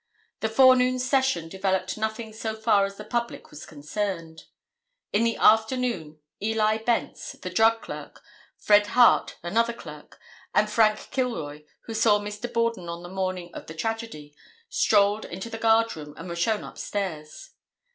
The forenoon session developed nothing so far as the public was concerned. In the afternoon, Eli Bence, the drug clerk, Fred Hart, another clerk, and Frank Kilroy, who saw Mr. Borden on the morning of the tragedy, strolled into the guard room and were shown upstairs.